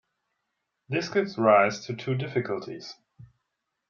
This gives rise to two difficulties.